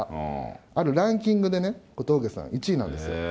あるランキングでね、小峠さん、１位なんですよ。